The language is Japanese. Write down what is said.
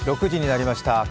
６時になりました。